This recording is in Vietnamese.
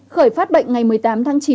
khởi phát bệnh ngày một mươi tám tháng chín